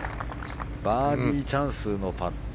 バーディーチャンスのパット